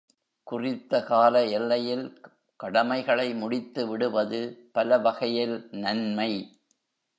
குறித்த கால எல்லையில் கடமைகளை முடித்துவிடுவது பலவகையில் நன்மை.